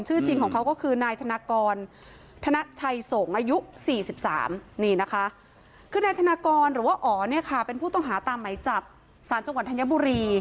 ชื่อจริงของเขาก็คือนายธนากรธนชัยสมอายุ๔๓